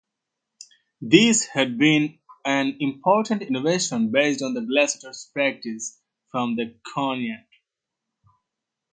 This had been an important innovation based on the glossator's practice from the Continent.